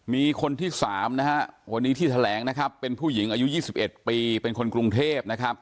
มีคนที่๓วันนี้ที่แผลงเป็นผู้หญิงอายุ๒๑ปีเป็นคนกรุงเทพฯ